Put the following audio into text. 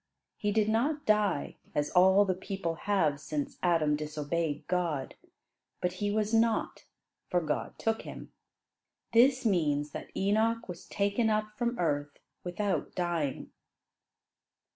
He did not die, as all the people have since Adam disobeyed God, but "he was not, for God took him." This means that Enoch was taken up from earth without dying.